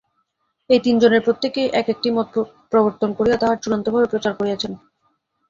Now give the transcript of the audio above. এই তিন জনের প্রত্যকেই এক একটি মত প্রবর্তন করিয়া তাহা চূড়ান্তভাবে প্রচার করিয়াছেন।